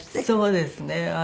そうですね。